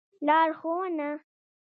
لار ښوونه